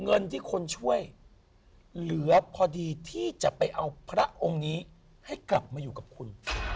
เงินที่คนช่วยเหลือพอดีที่จะไปเอาพระองค์นี้ให้กลับมาอยู่กับคุณ